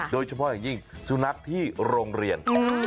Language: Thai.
โดยเฉพาะอย่างยิ่งสุนัขที่โรงเรียน